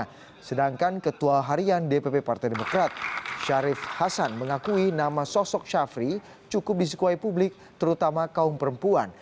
nah sedangkan ketua harian dpp partai demokrat syarif hasan mengakui nama sosok syafri cukup disekuai publik terutama kaum perempuan